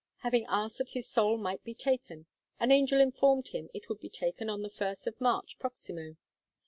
Having asked that his soul might be taken, an angel informed him it would be taken on the first of March proximo.